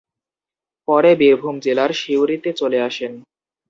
পরে বীরভূম জেলার সিউড়ি তে চলে আসেন।